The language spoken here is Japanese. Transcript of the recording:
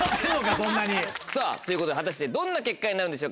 そんなに。ということで果たしてどんな結果になるんでしょうか？